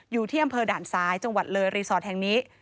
อยู่ที่อำเภอด่านซ้ายจังหวัดเลยรีสอร์ทแห่งนี้